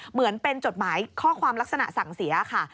เหมือนเป็นจดหมายข้อความลักษณะสั่งเสียค่ะ